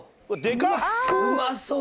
うまそう。